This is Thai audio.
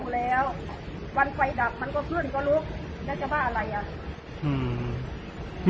แล้วถามทุกคนไหม